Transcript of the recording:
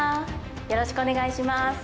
よろしくお願いします。